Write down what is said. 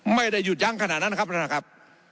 ไม่ได้หยุดยั้งขนาดนั้นครับท่านครับ